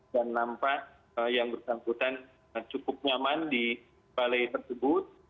dan nampak yang bersangkutan cukup nyaman di balai tersebut